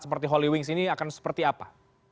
seperti holy wings ini akan seperti apa